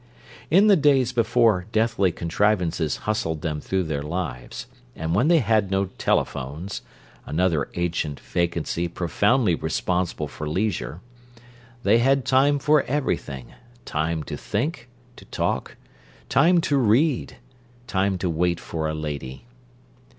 In the days before deathly contrivances hustled them through their lives, and when they had no telephones—another ancient vacancy profoundly responsible for leisure—they had time for everything: time to think, to talk, time to read, time to wait for a lady!